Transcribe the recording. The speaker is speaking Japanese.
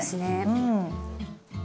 うん。